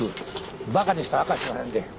バカにしたらあかしまへんで。